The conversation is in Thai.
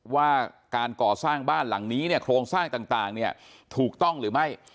ว่าการก่อสร้างบ้านหลังนี้เนี่ยโครงสร้างต่างเนี่ยถูกต้องหรือไม่